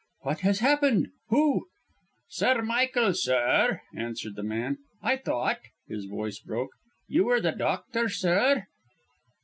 "What has happened? Who " "Sir Michael, sir," answered the man. "I thought" his voice broke "you were the doctor, sir?"